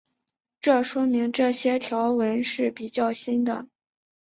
这说明这些条纹是比较新的。